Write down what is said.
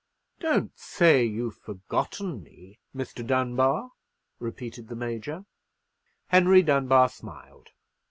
"Don't say you've forgotten me, Mr. Dunbar," repeated the Major. Henry Dunbar smiled.